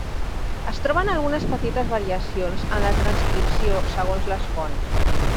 Es troben algunes petites variacions en la transcripció segons les fonts.